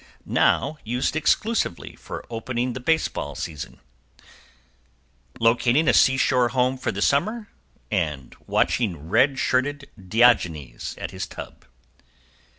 Now used exclusively for opening the Baseball Season, Locating a Seashore Home for the Summer, and watching Red Shirted Diogenes at his Tub.